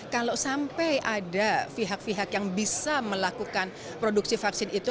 kalau sampai ada pihak pihak yang bisa melakukan produksi vaksin itu